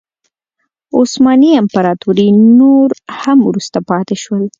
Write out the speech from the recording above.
عثماني امپراتوري نور هم وروسته پاتې شول.